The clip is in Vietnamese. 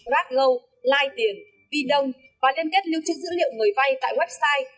batlow line tiền vdong và liên kết lưu trí dữ liệu người vay tại website